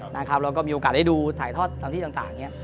เราก็มีโอกาสได้ดูถ่ายทอดทางที่ต่าง